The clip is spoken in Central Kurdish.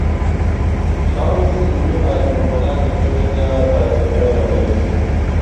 خاڵی سنووریی حاجی ئۆمەران دەکەوێتە پارێزگای هەولێر.